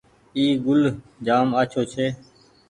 اي گوُل جآم آڇوٚنٚ ڇي